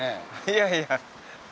いやいや。